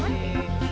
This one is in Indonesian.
keh keh keh